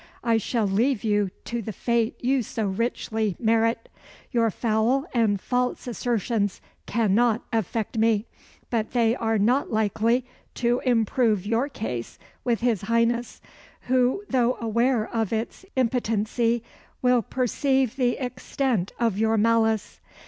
I shall leave you to the fate you so richly merit. Your foul and false assertions cannot affect me; but they are not likely to improve your case with his Highness, who, though aware of its impotency, will perceive the extent of your malice.